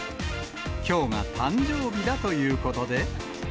きょうが誕生日だということで。